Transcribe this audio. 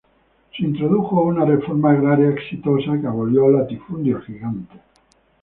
Se introdujo una reforma agraria exitosa que abolió latifundios gigantes.